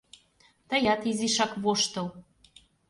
Тыят изишак воштыл...